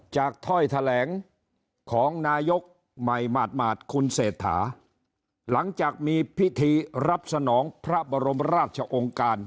ถ้อยแถลงของนายกใหม่หมาดคุณเศรษฐาหลังจากมีพิธีรับสนองพระบรมราชองค์การ